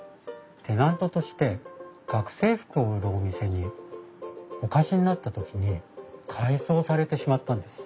テナントとして学生服を売るお店にお貸しになった時に改装されてしまったんです。